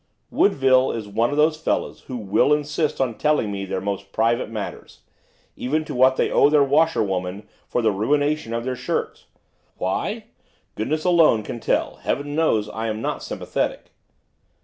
Woodville is one of those fellows who will insist on telling me their most private matters, even to what they owe their washerwomen for the ruination of their shirts. Why, goodness alone can tell, heaven knows I am not sympathetic.